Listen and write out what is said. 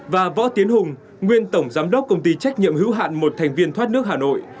và võ tiến hùng nguyên tổng giám đốc công ty trách nhiệm hữu hạn một thành viên thoát nước hà nội